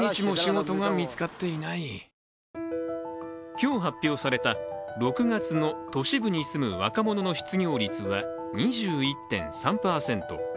今日発表された６月の都市部に住む若者の失業率は２１．３％。